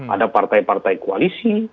ada partai partai koalisi